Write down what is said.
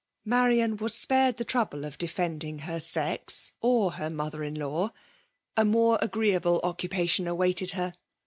Marian was spared the trouble of defendii^ her sex or her mother in law ; a more agree able occupation awaited her.